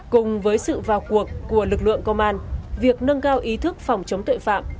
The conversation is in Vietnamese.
cùng với sự vào cuộc của lực lượng công an việc nâng cao ý thức phòng chống tội phạm